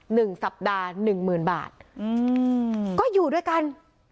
หนึ่งสัปดาห์หนึ่งหมื่นบาทอืมก็อยู่ด้วยกัน